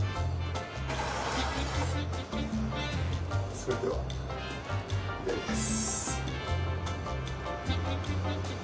それではいただきます。